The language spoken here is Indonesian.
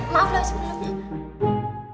maaf lah sebelumnya